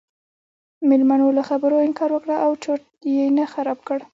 میلمنو له خبرو انکار وکړ او چرت یې نه خراب کړ.